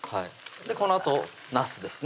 このあとなすですね